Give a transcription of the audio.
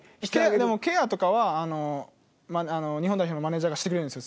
でもケアとかは日本代表のマネジャーがしてくれるんですよ